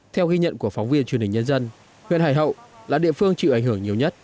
theo ghi nhận của phóng viên truyền hình nhân dân huyện hải hậu là địa phương chịu ảnh hưởng nhiều nhất